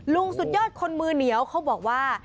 สุดยอดคนมือเหนียวเขาบอกว่า